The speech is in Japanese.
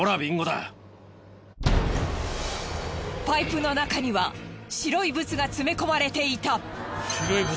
パイプの中には白いブツが詰め込まれていた。